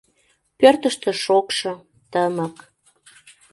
Пӧртыштӧ шокшо, тымык...